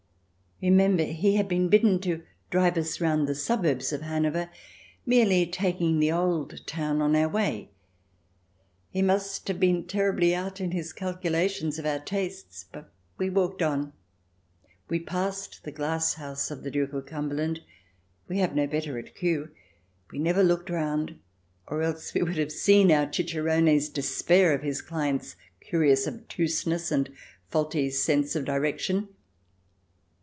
Remember, he had been bidden to drive us round the suburbs of Hanover, merely taking the old town on our way He must have been terribly out in his calculations of our tastes. But we walked on. We passed the glass house of the Duke of Cumberland — ^we have no better at Kew. We never looked round, or else we should have seen our cicerone's despair of his clients' curious obtuseness and faulty sense of direction.